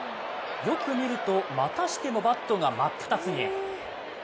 よく見るとまたしてもバットが真っ二つに。